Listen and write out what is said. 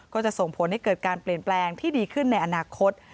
ก็จะส่งผลให้เกิดการเปลี่ยนแปลงที่ดีขึ้นในอนาคต